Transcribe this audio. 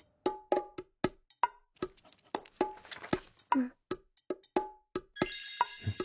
うん。